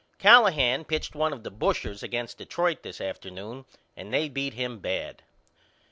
Callahan pitched one of the bushers against Detroit this afternoon and they beat him bad.